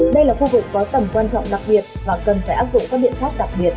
đây là khu vực có tầm quan trọng đặc biệt và cần phải áp dụng các biện pháp đặc biệt